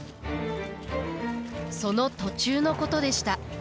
その途中のことでした。